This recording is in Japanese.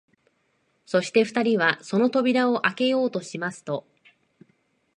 そして二人はその扉をあけようとしますと、